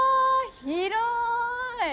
広い！